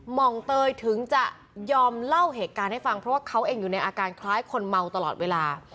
หมองเตยถึงจะยอมเล่าเหตุการณ์ให้ฟังเพราะว่าเขาเองอยู่ในอาการคล้ายคนเมาตลอดเวลา